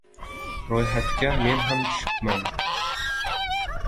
Ro‘yxatga men ham tushibman.